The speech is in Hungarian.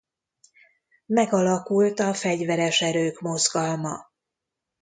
Megalakult a Fegyveres Erők Mozgalma.